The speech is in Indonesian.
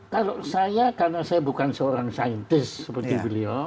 kalau saya karena saya bukan seorang saintis seperti beliau